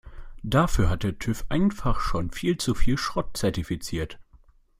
Dafür hat der TÜV einfach schon zu viel Schrott zertifiziert.